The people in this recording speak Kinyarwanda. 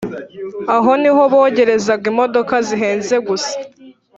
Aho ni ho bogerezaga imodoka zihenze gusa